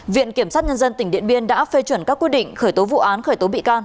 viện kiểm sát nhân dân tỉnh điện biên đã phê chuẩn các quyết định khởi tố vụ án khởi tố bị can